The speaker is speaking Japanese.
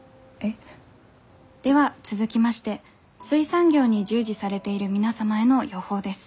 では続きまして水産業に従事されている皆様への予報です。